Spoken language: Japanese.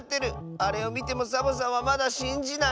あれをみてもサボさんはまだしんじない？